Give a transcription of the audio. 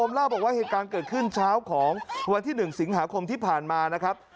เล่าบอกว่าเหตุการณ์เกิดขึ้นเช้าของวันที่๑สิงหาคมที่ผ่านมานะครับ